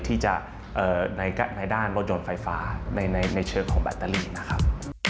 ที่จะในด้านรถยนต์ไฟฟ้าในเชิงของแบตเตอรี่นะครับ